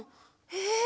え？